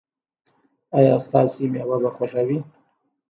ایا ستاسو میوه به خوږه وي؟